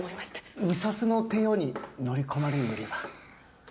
２サスの帝王に乗り込まれるよりは。